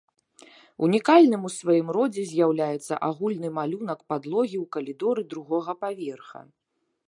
Унікальным у сваім родзе з'яўляецца агульны малюнак падлогі ў калідоры другога паверха.